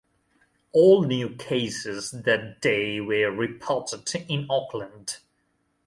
All new cases that day were reported in Auckland.